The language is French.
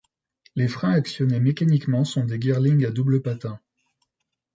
Les freins actionnés mécaniquement sont des Girling à double patins.